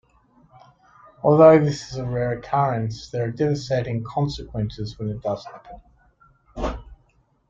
Although this is a rare occurrence, there are devastating consequences when it does happen.